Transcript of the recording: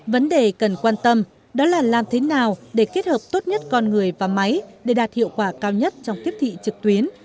vấn đề cần quan tâm đó là làm thế nào để kết hợp tốt nhất con người và máy để đạt hiệu quả cao nhất trong tiếp thị trực tuyến